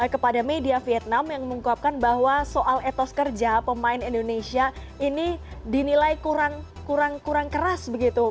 kepada media vietnam yang menguapkan bahwa soal etos kerja pemain indonesia ini dinilai kurang keras begitu